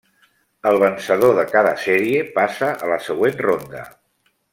El vencedor de cada sèrie passa a la següent ronda.